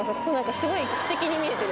すごい素敵に見えてる